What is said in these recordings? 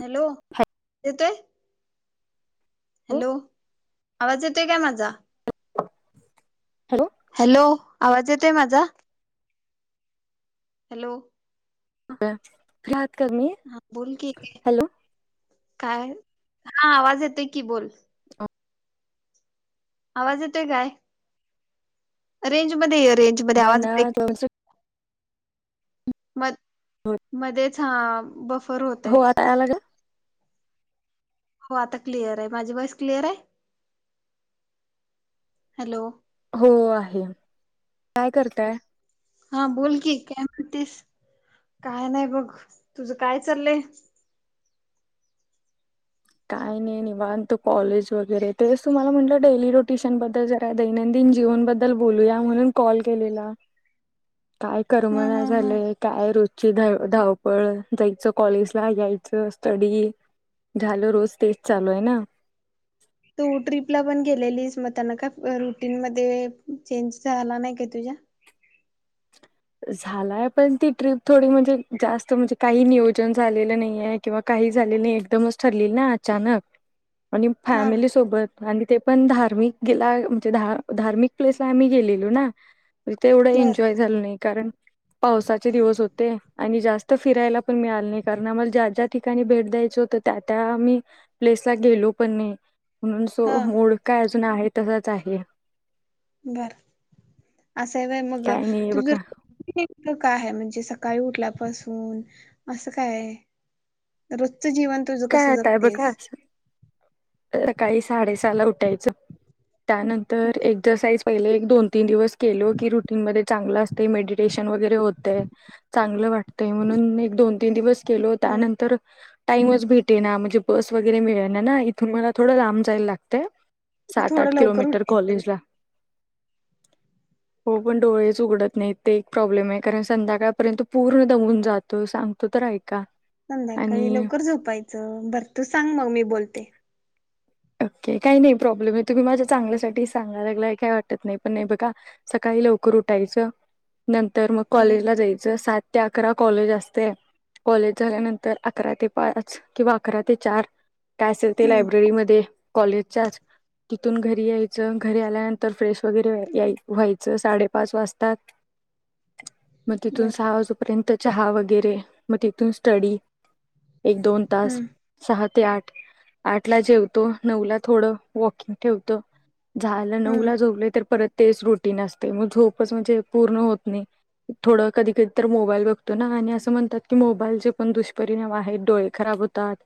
Hello? येतोय. Hello? आवाज येतोय काय माझा? Hello hello? आवाज येतोय माझा? हॅलो? ह [unintelligible] हा बोल की.? काय? हा आवाज येतय की बोल. आवाज येतोय काय? रेंज मध्ये य. रेंज मध्ये आवाज ना बे- म मध्येच हा बफर होतेय. हो आता आला का हो आता क्लिअर आहे, माझी वॉइस क्लिअर आहे? हॅलो? हो, आहे. काय करताय? हा, बोल की, काय म्हणतीस? काय नाही बघ, तुझ काय चाललंय? काय नाही निवांत, कॉलेज वगैरे तेच तुमला म्हटलं डेली रोटेशन बद्दल, जरा दैनंदिन जीवनबद्दल बोलूया, म्हणून कॉल केलेला. काय ह करमना ह ह झाले काय र धावपळ जायच, कॉलेज ला यायच, स्टडी- झाल रोज तेच चालू आहे ना, तू ट्रीपला पण गेलेलीस, म त्यांना का रुटीन मध्ये चेंज झाला नाही का तुझ्या? झालाय पण ती ट्रीप थोडी म्हणजे जास्त म्हणजे काही नियोजन झालेलं नाही आहे किंवा काही झालं नाही, एकदमच ठरली ना अचानक. आणि हा फॅमिली सोबत. आणि ते पण धार्मिकेला म्हणजे धार धार्मिक प्लेस ला आम्ही गेलेलो ना- तिथे एवढा बर एन्जॉय झालं नाही. कारण पावसाचे दिवस होते आणि जास्त- जास्त फिरायला पण मिळालं नाही कारण आम्हाला ज्या ज्या ठिकाणी भेट द्यायचं होतं त्या त्या आम्ही प्लेसला गेलो पण नाही म्हणून हा सो मुड काय- अजून आहे तसाच आहे. बर असा वे मग काय नाही त जर बघा - का-य आहे म्हणजे सकाळी उठल्यापासून असं काय आहे रो जच जीवन तुझ काय कसं आता बघा जगतेस? सकाळी साडेसहाला उठायचं- त्यानंतर एक्झरसाइज- पहिले एक दोन तीन दिवस केलो की रुटीन मध्ये चांगलं असते मेडिटेशन वगैरे होतय चांगलं वाट- ते म्हणून मी एक दोन- तीन दिवस- केलो हा त्यानंतर- टाईम च भेटे ना म्हणजे बस वगैरे मिळेना ना- त मला थोडं लांब जायल लागतंय- मग सात थोडं आठ लवकर किलोमीटर उठायचं कॉलेज ला- हो पण डोळेच उघडत नाही ते एक प्रॉब्लेम आहे कारण संध्याकाळपर्यंत पूर्ण दमून जातो सांगतो तर ऐक- संध्याकाळी लवकर झोपायचं बर तू सांग मग मी बोलते- ओके काही नाही प्रॉब्लेम आहे तुम्ही माझ्या चांगल्यासाठी सांगा लागलाय काही वाटत नाही पण नाही बघा सकाळी लवकर उठायचं- नंतर मग हा कॉलेजला जायचं सात- ते अकरा कॉलेज असते कॉलेज झाल्यानंतर अकरा ते पाच किंवा अकरा ते चार- काय असेल ते हम्म लायब्ररीमध्ये- कॉलेजच्याच तिथून घरी यायचं घरी आल्यानंतर फ्रेश वगैरे व्हाय याय व्हायचं साडेपाच वाजतात- मग तिथून बर सहा वाजेपर्यंत- चहा वगैरे मग तिथून स्टडी- एक दोन तास हम्म सात- ते आठ आठ ला जेव- तो नऊला थोडं वॉकिंग ठेवतो- झाल हम्म नऊला झोपले तर परत- तेच रूटीन असते ग झोप म्हणजे पूर्ण होत नाही थोड कधी कधी मोल बघतो ना आणि अस म्हणतात की मोलचे पण दुष्पिणाम आहेत डोळे खराब होतात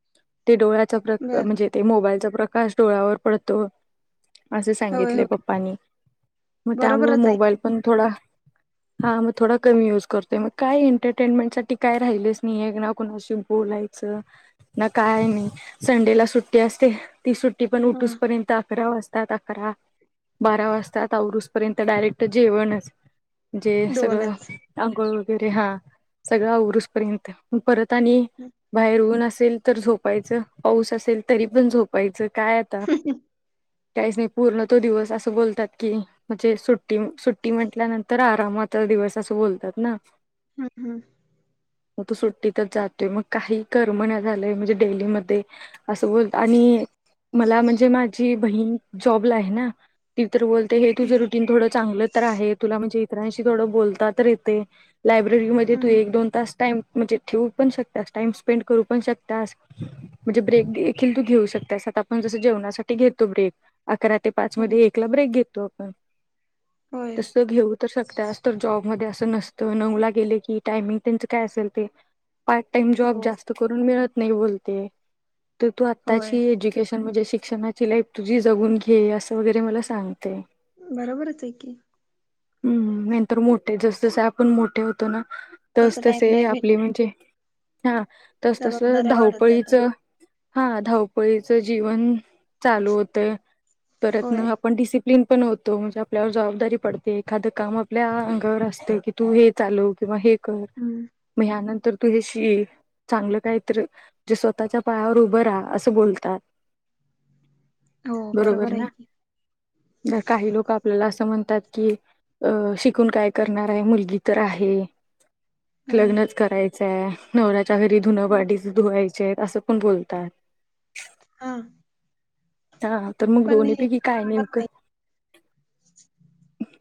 - प्र बर म्हणजे- मोबाईलचा प्रकाश डोळ्यावर पडतो- असे होय सांगितले होय पप्पानी मग त्यामुळे बरोबरच आहे मोबाईल की पण थोडा हा मग थोडा कमी युज करतोय मग काय एंटरटेनमेंट साठी काय राहिलेच नाही ना कुणाशी बोलायचं ना काय नाही संडेला सुट्ट सुट्टी असते ती सुट्टी ती पण हा उठूस पर्यंत अकरा वाजताात अकरा बारा वाजताात आवरूस पर्यंत डायरेक्ट जेवणच म्हणजे सगळं दोनच आंघोळ वगैरे हा सगळा आवरूस पर्यंत परत हम्म बाहेर ऊन अस असेल तर झोपायच पाऊस असेल तरी पण झोपायचं काय आता त्याहीच नाही पूर्ण तो दिवस असं बोलतात की म्हणजे सुट्टी सुट्टी म्हंटल्यानंतर आरामचा दिवस असं बोलतात ना हम्म हम्म. मग तू सुट्टीतच जातोय मग काही करम न झालंय म्हणजे डेलीमध्ये असं बोल आणि मला म्हणजे माझी बहीण जॉबला आहे ना ती तर बोलते हे तुझं रुटीनथड चांगलं तर आहे तुला म्हणजे मित्रांशी थोडं बोलतात येतये लायब्ररीमध्ये तू हम्म एक दोन तास टाइम म्हणजे ठेवू पण शकता टाइम स्पेंड करू पण शकतास म्हणजे ब्रेक देखील तू घेऊ शकतास आता आपण जस जेवणासाठी घेतो ब्रेक अकरा ते पाच हम्म मध्ये एकला ब्रेक घेतो होय [unintelligible] तस घेऊ तर शकतास तर जॉबमध्येध्ये असं नसतं नऊला गेले की टायमिंग त्यांच काय असेल ते पार्ट टाइम जॉब हो जास्त करून मिळत नाही बोलते तू होय आताची जीकेश म्हणजे शिक्षणाची लाईफ तुझी जगून घे असं वगैरे मला सांगते बरोबरच आहे की. हम्म नंतर मोठे जस जस आपण मोठे होतो ना तस तसं टाइम तसे नाही भेटत आपली म्हणजे हा. तस तस जबाबदाऱ्या वाढत धावपळीच जातात हा धावपळीचं जीवन चालू होतं परत म होय आपण डिसि प्लिन पण होतो म्हणजे आपल्यावर जबाबदारी पडते एखादं काम आपल्या अंगावर असते की तू हे चालव किंवा हे हम्म भयानंद [unintelligible] तर तू हे चांगलं काय तरे स्वतःच्या [unintelligible] पायावर उभं रा असं बोलतात हो बरोबर आहे ना की. ज काही लोक आपल्याला अस म्हणतात की, अ शिकून काय करणार आहे मुलगी तर आहे हा लग्नच करायचं नवरराात [unintelligible] च घरी धुं वाटीच धुवाय [unintelligible] [unintelligible] असं कोण बोलतात [inaudible] हा हा तर मग पण दोन्ही हे पैकी काय हाय बरोबर नाही नेमकं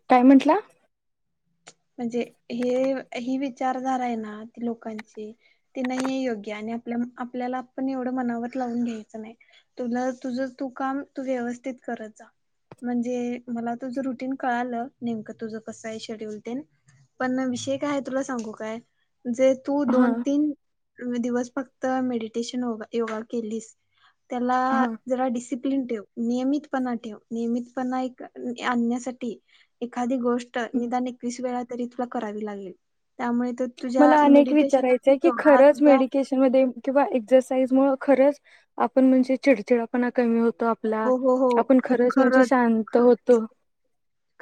टायमंटला [unintelligible] म्हणजे हे हि विचारधारा आहे ना लोकांची ती नाही आहे योग्य आणि आपल्या आपल्याला पण एवढं मनावत लावून घ्यायचं नाही तुला तुझ तू काम तू व्यवस्थित करत जा म्हणजे मला तुझ रुटीन कळालं नेमकं तुझं कसं आहे शेड्यूल पण विषय काय हाय तुला सांगू काय? जे तू हा दोन तीन दिवस फक्त मेडिटेशन -योगा केलीस त्याला हा जरा डिसिप्लन ठेव नियमित [unintelligible] णा ठेव नियमितपणा -आणण्यासाठी एखादी गोष्ट [unintelligible] निदान व तु करा ला त्या [unintelligible] मला अनेक विचारायचंय की खरंच तुझ्या मेडिकेशन मध्ये किंवा एक्सरसाइज मुळ खरंच, आपण म्हणजे चिडचिडपणा कमी होत आपला, हो हो हो - आपण खरंच म्हणजे शांत होतो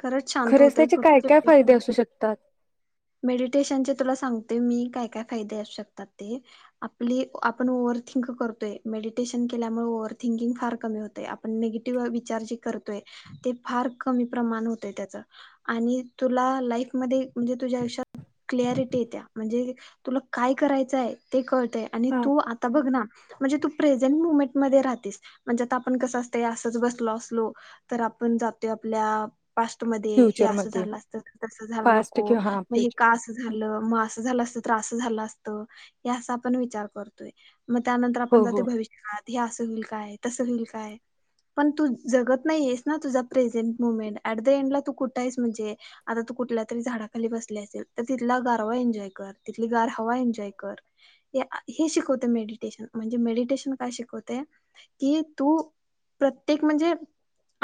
खरंच शांत खरेच होतय त्याचे काय- काय फायदे खरंच असू शकतात मेडिटेशनचे तुला सांगते मी काय काय फायदे असू शकतात ते आपली आपण ओव्हरथिंक करतोय मेडिटेशन केल्यामुळे ओव्हथिंकिंग फार कमी होतय आपण निगेटिव्ह विचार जे करतोय ते फार कमी प्रमाण होतय त्याच आणि तुला लाईफमध्ये म्हणजे तुझ्या आयुष्यात क्लियारिटी येत्या म्हणजे तुला काय करायचंय ते क आणि हा तू आता बघ ना म्हणजे तू प्रेझेंट मुमेंट मध्ये राहतेस म्हणजे आता आपण कसं असत असंच बसलो असलो तर आपण जातोय आपल्या पास्ट मध्ये हे असं फ्युचरमध्ये झालं असतं तस झालं फास्ट नको किंवा हा मग हे फ्युचर कास झालं मा असं झालं असत त्रास झाला असत [unintelligible] याअस‌ आपण विचार करतोय मग त्यानंतर आपण हो जाते हो भविष्यकाळात हे असं होईल काय तसं होईल काय पण तू जगत नाही आहेस ना तुझा प्रेझेंट मुमेंट ऍट द एंडला तू कुठं आहेस म्हणजे आता तू कुठल्या तरी झाडा खाली बसले असेल तर तिथला गारवा एन्जॉय कर तिथली गार हवा एन्जॉय कर हे शिकवते मेडिटेशन म्हणजे मेडिटेशन काय शिकवते कि तू प्रत्येक म्हणजे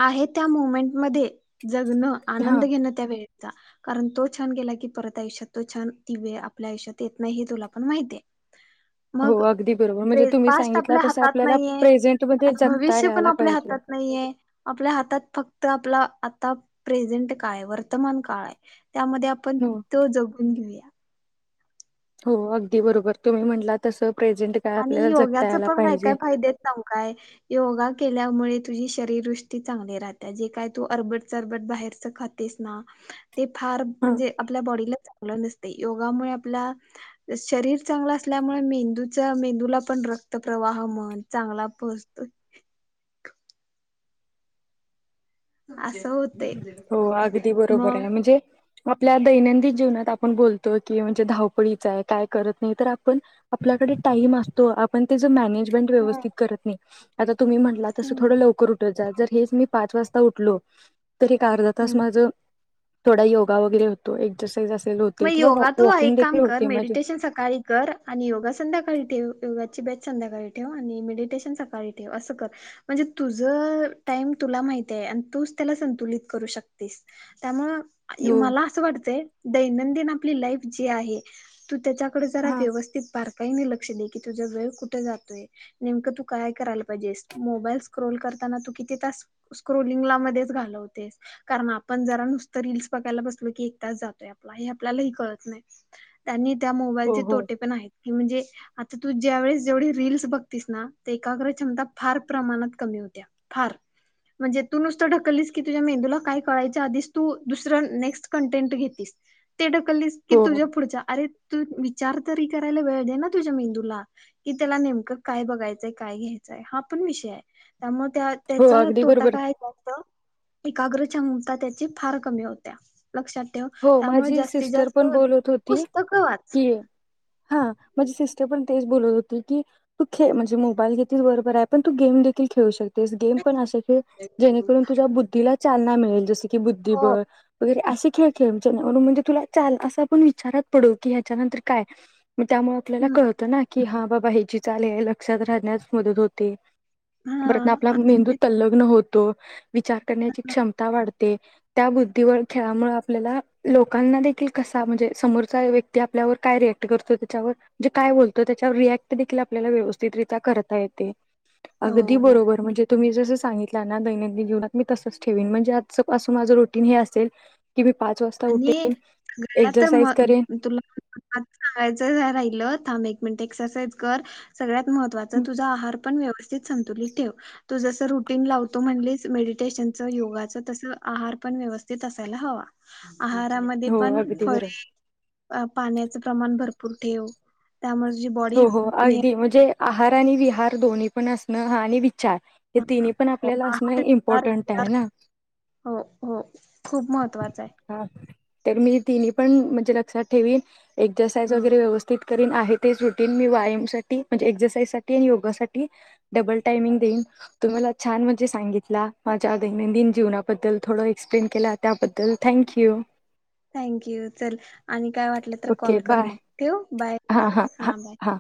आहे त्या मुमेंट मध्ये जगणं हा आनंद घेणं त्यावेेळे कारण तो छान गेला की परत आयुषत तो छान ति व आपल्या आयु्यात येत नाही हे तुला पण माहिित आहे हो मग अगदी बरोबर म्हणजे तुम्ही पास्ट सांगितला आपल्या तसं हातात आपल्याला नाहीे प्रेझेंटमध्ये आणि जगता भविष्य पण यायला आपल्या पाहिजे हातात नाहीये आपल्या हातात फक्त तर आपला आता प्रेझेंट कायय वर्तमान काळ आहे त्यामध्ये आपण हो तो जगून घेऊया हो अगदी बरोबर तुम्ही म्हटला तस आणि योगाच पण काय काय फायदेेत नम काय योगा केल्यामुळे तुझी शरीवृष्टी चांगली राहते जे काय तू अरबट चरबट बाहेरच खातेस ना ते फार हा म्हणजे आपल्या बॉडीला च नस योगामुळे आपला शरीर चांगलं असल्यामुळे मेंदू मेंदूला पण रक्त प्र्रवाह मण चांगला पोचतो त हो अगदी बरोबर आहे म्हणजे आपल्या दैनंदिन जीवनात आपण बोलतो की म्हणजे धावपळीच आहे काय करत नाही तर आपण आपल्याकडे टाईम असतो आपण व्य नाही हम्म तुम्ही हम्म म्हट ल पाच वाजता उठलो तरी कारदातस हम्म. माझं थोडा योग वगैरे होतो एकस् मग योगा तू एक काम कर माझे मेडिटेशन सकाळी कर आणि योगा संध्याकाळी ठे योगाची बेस् संध्याकाळी ठेव आणि मेडिटेशन सकाळी ठेव असं कर म्हणजे तुझ टाइम तुला माहती आहे आणि तू त्याला संतुलित करू शकतेस त्यामुळे हो मला असं वाटतंय दैंदि आप लाई ज आहे त त्या डे जरा हा व्यवस्थित पार् काही लक्ष दे की तुझ वेळ कुठे जातोय नेमकं तू काय करायला पाहिजेस मोबाईल स्क्रोल करताना तू किती तास स्क्रोलिंग मध्येच घालवतेस कारण आपण जरा नुसत रीलस बघायला बसलो की एक त हे आपल्यालाही कळत नाही त्यांनी त्या हो मोबाईलचे हो तोटे पण आहेत की म्हणजे तर तू ज्या वेळेस जेवढी रीलस बघतीस ना ते एकाग्र क्षमता फार प्रमाणात कमी होत्या फार म्हणजे तू नुसतं ढकललीस की तुझ्या मेंदूला काय कळायच्या आधीच तू दुसरं नेक्स्ट कंटेंट घेततीस ते ढकललीस की हो तुझ्या पुढच्या अरे तू विचार तरी करायला वेळ दे ना तुझ्या मेंदूला कि त्याला नेमकं काय बघायचंय काय घ्यायचंय हा पण विषय आहे त्यामुळे त्या हो त्याचा अगदी तोटा बरोबर काय आहेत एकाग्रच्या मुता त्याची फार कमी होत्या लक्षात ठेव हो त्यामुळे माझी जास्तीत सिस्टर जास्त पण बोलत होती पुस्तकं वाच. की. हा माझी सिस्टर पण तेच बोलत होती की तू खे म्हणजे मोबाईल घेतील बरोबर आहे पण तू गेम देखील खेळू शक तेज गेम पण जेणे करून तुझ्या बुद्धिला चलना मिळेल जसी ते हो बुद्धिबळ वगैरे असे खेळ खेळ म्हणजे तुला असं [unintelligible] आपण विचारात पडू की ह्याच्यानंतर काय? मी त्यामुळे आपल्याला हम्म कळतं ना की हा. ब बाह्याची चाल हे लक्षात राहण्यास मदत होते. प्रन आपला हा मेंदू तल्लग्न होत. तो विचार करण्याची क्षमता वाढत. त्या बुद्धीवर खेळामुळे आपल्याला लोकांना देखील कसा म्हणजे समोरचा व्यक्ती आपल्यावर काय रियाक्ट करतो त्याच्यावर म्हणजे काय बोलतो त्याच्यावर रिअक्ट देखील आपल्याला व्यवस्थितरित्या करता येते. हो अगदी हो बरोबर म्हणजे. तुम्ही जसं सांगितलं ना दैनंदिन जीवनात मी तसच ठेवेन म्हणजे आज पासून माझं रोटीन हे असेल. की मी पाच वाजता उठे आणि सगळ्या तर म एक्सरसाइज करेन तुला [unintelligible] म सांगायचं राहिलं थांबे म्हणत एक्सरसाईज कर सगळ्यात महत्वाच तुझा आहार पण व्यवस संतुलीत ठेव तू जस रुटीन लावतो म्हण मेडिटेशन च योगाच तसं आहार पण व्यवस्थित असायला हवा. आहारामध्ये हो पण अगदी बरोबर फळे अ पाण्याचं प्रमाण भरपूर ठेव. त्यामुळे तुझी बॉडी हो हो अगदी म्हणजे आहार तनी विहार दोन्ही पण असणं हा आणि विचार हे तिन्ही पण हो आपल्याला असणं आहार इम्पॉर्टंट आहे ना हो हो खूप महत्त्वाचं आहे हा. तर मी तिने पण म्हणजे लक्षात ठेवीन. एजरसाईज ह वगैरे व्यवस्थित. करीन आहेत. तेच रुटीन मी व्यायाम साठी म्हणजे एक्सरसाइज साठी आणि योगासाठीठी डबल टायमिंग देईन तुम्हाला छान म्हणजे सांगितला माझ्या दैनंदिन जीवनाबद्दल थोड एक्सप्लेन केला त्याबद्दल थँंक्यू. थँंक यू चल आणि काय वाटलं तर कॉल ओके कर बाय मग ठेवू बाय. हां हां हां हा म. हां